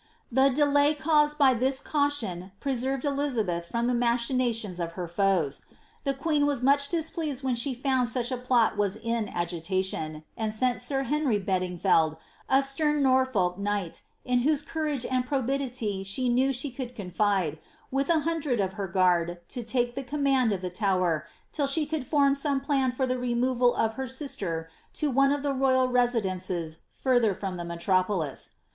* The delay caused by this caution preserved Elizabeth from the ma rbinations of her foes. The queen was much displeased when shs found such a plot was in agitation, and sent sir Henry Bedingfeld, a r^em Norfolk knight, in whose courage and probity she knew she could MDfi('e« with a hundred of her guard, to take the command of the T'jver till she could form some plan for the removal of her sister to one of the royal residences further from the metropolis.